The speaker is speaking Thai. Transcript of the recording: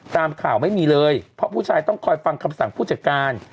ตามข่าวไม่มีเลยเพราะผู้ชายต้องคอยฟังคำสั่งผู้จัดการ